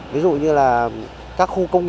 ví dụ như là